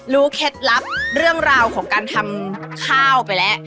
เคล็ดลับเรื่องราวของการทำข้าวไปแล้ว